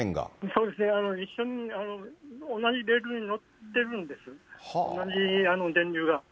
そうですね、一緒に、同じレールに乗ってるんです、同じ電流が。